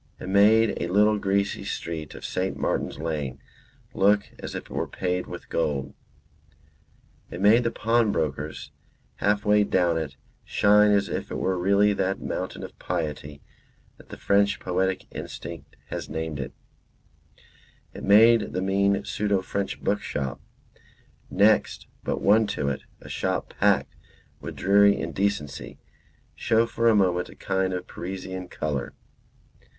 It made a little greasy street of St. Martin's Lane look as if it were paved with gold. It made the pawnbroker's half way down it shine as if it were really that Mountain of Piety that the French poetic instinct has named it; it made the mean pseudo French bookshop, next but one to it, a shop packed with dreary indecency, show for a moment a kind of Parisian colour.